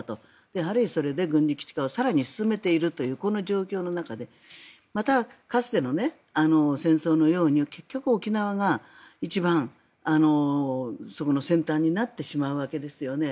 やはりそれで軍事基地化を更に進めているというこの状況の中でまたかつての戦争のように結局、沖縄が一番そこの先端になってしまうわけですよね。